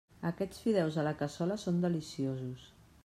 Aquests fideus a la cassola són deliciosos.